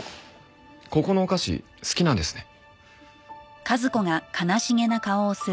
ここのお菓子好きなんですね。